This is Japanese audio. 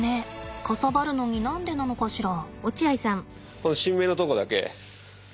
かさばるのに何でなのかしら。